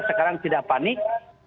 sekarang tidak panik